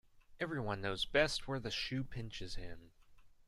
Every one knows best where the shoe pinches him.